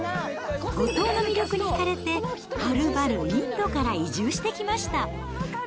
五島の魅力にひかれて、はるばるインドから移住してきました。